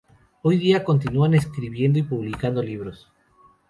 Hoy día continúa escribiendo y publicando libros.